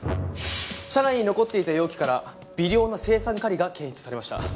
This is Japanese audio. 車内に残っていた容器から微量の青酸カリが検出されました。